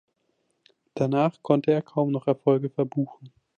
Danach konnte er kaum noch Erfolge verbuchen.